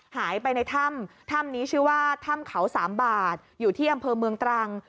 ในถ้ำถ้ำนี้ชื่อว่าถ้ำเขาสามบาทอยู่ที่อำเภอเมืองตรัง